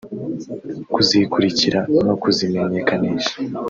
kuzikurikira no kuzimenyekanisha